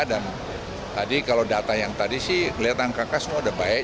dan tadi kalau data yang tadi sih kelihatan kakak semua sudah baik